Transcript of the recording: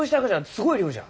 すごい量じゃ。